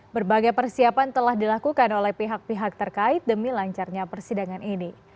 berbagai persiapan telah dilakukan oleh pihak pihak terkait demi lancarnya persidangan ini